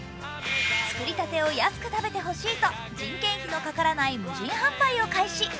作りたてを安く食べてほしいと人件費のかからない無人販売を開始。